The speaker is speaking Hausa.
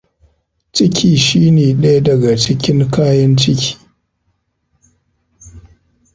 Ciki shine daya daga cikin kayan ciki.